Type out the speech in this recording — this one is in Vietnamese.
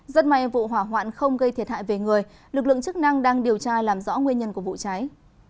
rất may vụ hỏa hoạn không gây thiệt hại về người lực lượng chức năng đang điều tra làm rõ nguyên nhân của vụ cháy